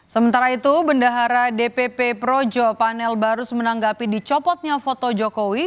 sementara itu bendahara dpp projo panel barus menanggapi dicopotnya foto jokowi